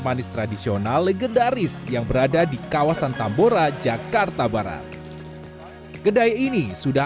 manis tradisional legendaris yang berada di kawasan tambora jakarta barat kedai ini sudah